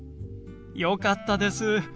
よかったです。